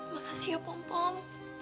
makasih ya pom pom